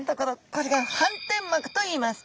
これが反転膜といいます。